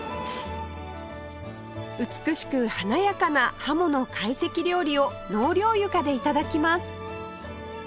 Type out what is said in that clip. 美しく華やかなハモの会席料理を納涼床で頂きます